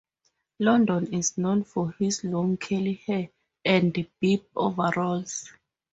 London is known for his long curly hair and bib overalls.